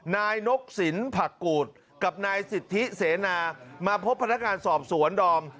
นายนกสินผักกูดกับนายสิทธิเสนามาพบพนักงานสอบสวนดอม